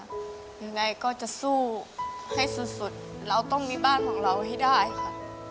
ยังไงก็จะสู้ให้สุดเราต้องมีบ้านของเราให้ได้ค่ะ